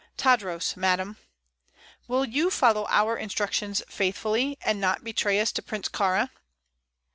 "Tadros, madam." "Will you follow our instructions faithfully, and not betray us to Prince Kāra?"